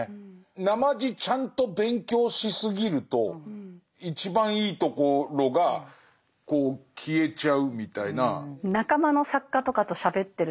なまじちゃんと勉強しすぎると一番いいところがこう消えちゃうみたいな。